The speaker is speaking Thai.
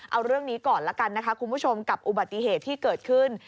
เอาเรื่องนี้ก่อนละกันนะคะคุณผู้ชมกับอุบัติเหตุที่เกิดขึ้น